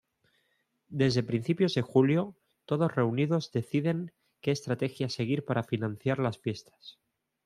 Desde principios de julio todos reunidos deciden que estrategia seguir para financiar las fiestas.